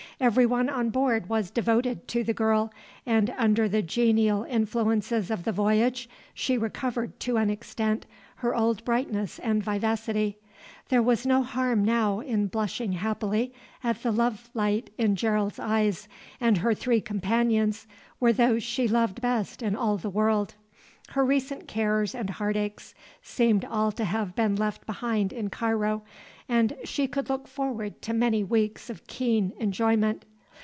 Everyone on board was devoted to the girl, and, under the genial influences of the voyage, she recovered, to an extent, her old brightness and vivacity. There was no harm now in blushing happily at the love light in Gerald's eyes, and her three companions were those she loved best in all the world. Her recent cares and heartaches seemed all to have been left behind in Cairo, and she could look forward to many weeks of keen enjoyment.